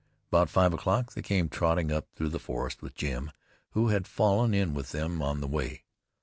About five o'clock they came trotting up through the forest with Jim, who had fallen in with them on the way.